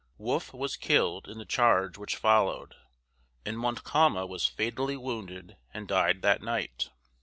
Wolfe was killed in the charge which followed, and Montcalm was fatally wounded and died that night.